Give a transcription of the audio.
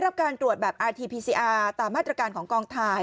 รับการตรวจแบบอาทีพีซีอาร์ตามมาตรการของกองถ่าย